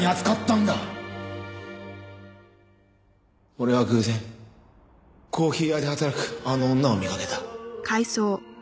俺は偶然コーヒー屋で働くあの女を見かけた。